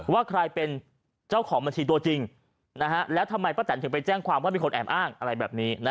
ว่าใครเป็นเจ้าของบัญชีตัวจริงแล้วทำไมป้าแตนถึงไปแจ้งความว่ามีคนแอบอ้างอะไรแบบนี้